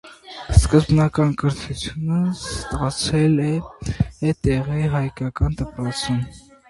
Սկզբնական կրթությունը ստացել է տեղի հայկական դպրոցում։